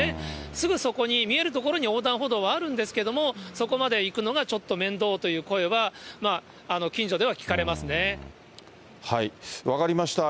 すぐそこに見える所に、横断歩道はあるんですけれども、そこまで行くのがちょっと面倒という声は、分かりました。